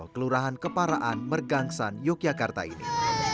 kelurahan keparaan mergangsan yogyakarta ini